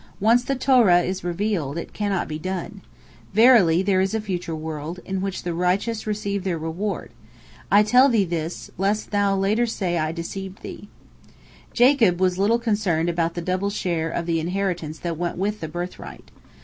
Once the Torah is revealed, it cannot be done. Verily, there is a future world, in which the righteous receive their reward. I tell thee this, lest thou say later I deceived thee." Jacob was little concerned about the double share of the inheritance that went with the birthright.